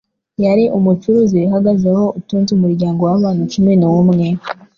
yari umucuruzi wihagazeho utunze umuryango w'abantu cumi numwe